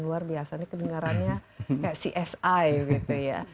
luar biasa nih kedengarannya kayak csi gitu ya